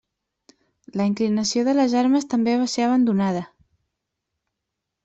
La inclinació de les armes també va ser abandonada.